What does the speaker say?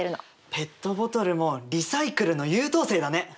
ペットボトルもリサイクルの優等生だね。